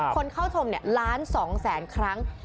คนเข้าชมเนี่ย๑๒๐๐๐๐๐ครั้ง